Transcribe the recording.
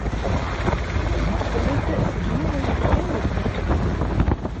Teqqel-d seg Yiwanaken Yeddukklen.